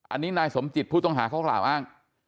อันนี้ต้องหาข้อมูลมาก